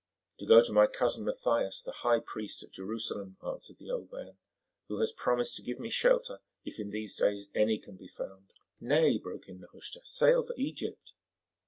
"To go to my cousin Mathias, the high priest at Jerusalem," answered the old man, "who has promised to give me shelter if in these days any can be found." "Nay," broke in Nehushta, "sail for Egypt."